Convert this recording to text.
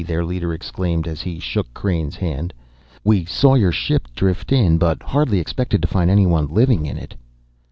their leader exclaimed as he shook Crain's hand. "We saw your ship drift in, but hardly expected to find anyone living in it."